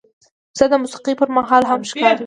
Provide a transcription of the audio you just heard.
پسه د موسیقۍ پر مهال هم ښکارېږي.